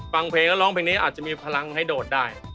ฟังเพลงแล้วร้องเพลงนี้อาจจะมีพลังให้โดดได้